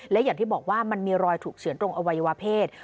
และอย่างที่บอกว่ามันมีรอยถูกเฉือนตรงอวัยวเพศ